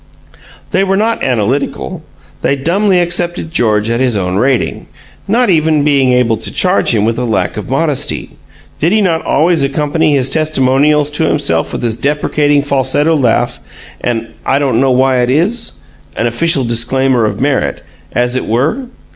They were not analytical; they dumbly accepted George at his own rating, not even being able to charge him with lack of modesty. Did he not always accompany his testimonials to himself with his deprecating falsetto laugh and "I dunno why it is," an official disclaimer of merit, "as it were"?